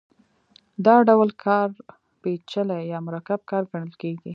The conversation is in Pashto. دا ډول کار پېچلی یا مرکب کار ګڼل کېږي